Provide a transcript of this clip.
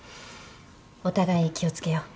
お互い気を付けよう。